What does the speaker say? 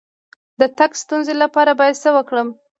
د تګ د ستونزې لپاره باید څه وکړم؟